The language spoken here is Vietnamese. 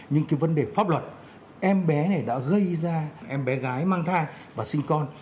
nhưng cái vấn đề pháp luật em bé này đã gây ra em bé gái mang thai và sinh con